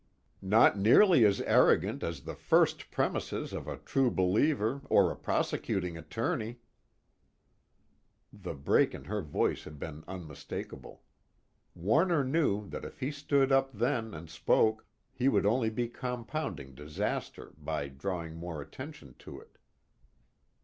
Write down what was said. "Not nearly as arrogant as the first premises of a true believer or a prosecuting attorney " The break in her voice had been unmistakable. Warner knew that if he stood up then and spoke, he would only be compounding disaster by drawing more attention to it.